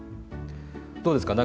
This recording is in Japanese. どうですか？